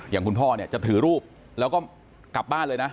อย่างคุณพ่อเนี่ยจะถือรูปแล้วก็กลับบ้านเลยนะ